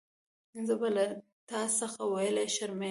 زه به له تا څخه ویلي شرمېږم.